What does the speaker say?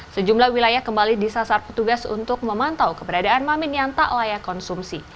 sejumlah wilayah kembali disasar petugas untuk memantau keberadaan mamin yang tak layak konsumsi